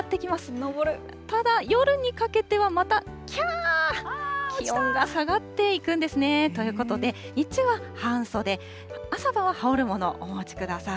上る、ただ夜にかけては、またきゃー、気温が下がっていくんですね。ということで、日中は半袖、朝晩は羽織るものをお持ちください。